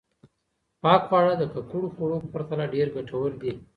پاک خواړه د ککړو خوړو په پرتله ډېر ګټور دي.